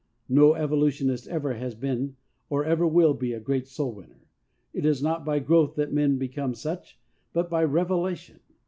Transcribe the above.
No evolutionist ever has been or ever will be a great soul winner. It is not by growth that men become such, but by revelation.